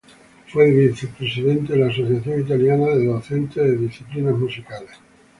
Fue vicepresidente de la asociación italiana de docentes de disciplinas musicales.